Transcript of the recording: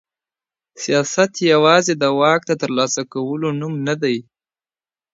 سياست يوازي د واک د ترلاسه کولو نوم نه دی.